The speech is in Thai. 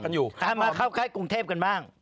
ตามมาเข้าใกล้กรุงเทพกันบ้าง